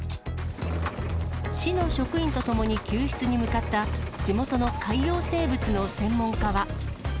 市の職員と共に救出に向かった地元の海洋生物の専門家は。